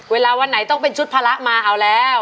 วันไหนต้องเป็นชุดภาระมาเอาแล้ว